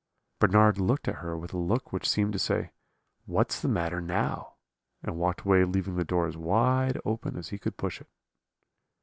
"Bernard looked at her with a look which seemed to say, 'What's the matter now?' and walked away, leaving the door as wide open as he could push it.